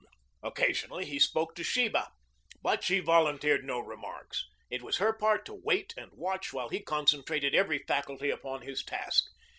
Occasionally he spoke to Sheba, but she volunteered no remarks. It was her part to wait and watch while he concentrated every faculty upon his task.